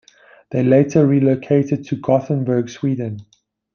They later re-located to Gothenburg, Sweden.